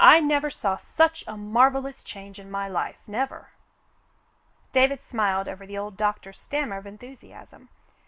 I never saw such a mar vellous change in my life, never !" David smiled over the old doctor's stammer of enthu siasm.